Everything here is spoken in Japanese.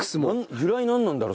由来なんなんだろう？